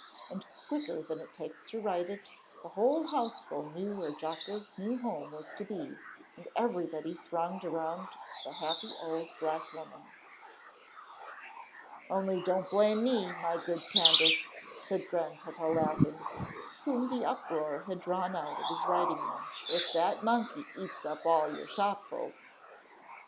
And quicker than it takes to write it, the whole houseful knew where Jocko's new home was to be, and everybody thronged around the happy old black woman. "Only don't blame me, my good Candace," said Grandpapa, laughing, whom the uproar had drawn out of his writing room, "if that monkey eats up all your shopful."